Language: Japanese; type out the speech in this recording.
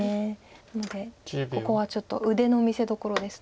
なのでここはちょっと腕の見せどころです